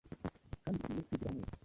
kandi bikwiriye kwigirwa hamwe.